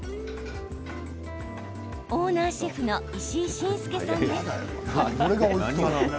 オーナーシェフの石井真介さんです。